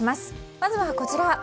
まずは、こちら。